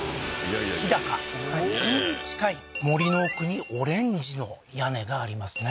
日高海に近い森の奥にオレンジの屋根がありますね